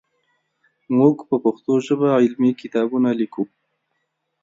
موږ په پښتو ژبه علمي کتابونه لیکو.